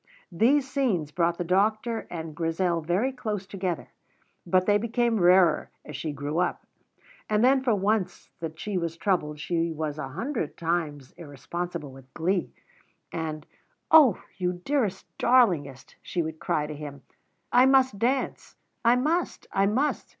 These scenes brought the doctor and Grizel very close together; but they became rarer as she grew up, and then for once that she was troubled she was a hundred times irresponsible with glee, and "Oh, you dearest, darlingest," she would cry to him, "I must dance, I must, I must!